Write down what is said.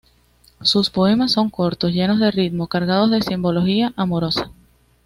Sus poemas son cortos, llenos de ritmo, cargados de simbología amorosa.